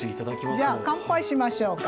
じゃあ乾杯しましょうか。